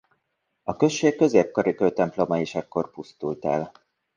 A község középkori kőtemploma is ekkor pusztult el.